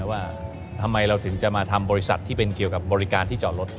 ว่าทำไมเราถึงจะมาทำบริษัทที่เป็นเกี่ยวกับบริการที่จอดรถ